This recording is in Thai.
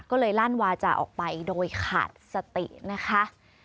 ก็เลยลั่นวาจาออกไปโดยขาดสตินะคะ